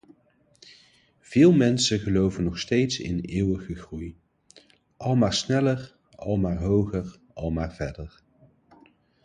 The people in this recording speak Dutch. Veel mensen geloven nog steeds in eeuwige groei: almaar sneller, almaar hoger, almaar verder.